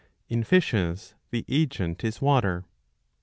In fishes the agent is water.